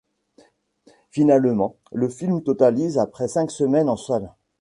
Finalement, le film totalise après cinq semaines en salles.